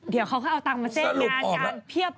เดี๋ยวเขาก็เอาตังค์มาเส้นงานการเพียบ